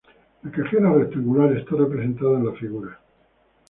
La cajera rectangular está representada en la figura.